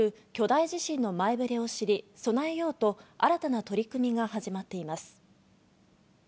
そして今、連鎖して起こる巨大地震の前ぶれを知り、備えようと新たな取り組みが始まっています。